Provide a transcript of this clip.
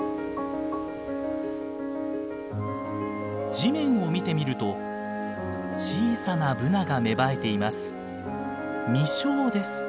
地面を見てみると小さなブナが芽生えています。